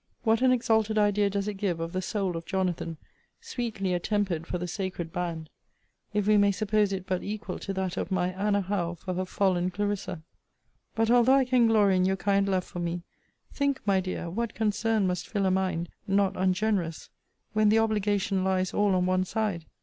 What an exalted idea does it give of the soul of Jonathan, sweetly attempered for the sacred band, if we may suppose it but equal to that of my Anna Howe for her fallen Clarissa? But, although I can glory in your kind love for me, think, my dear, what concern must fill a mind, not ungenerous, when the obligation lies all on one side.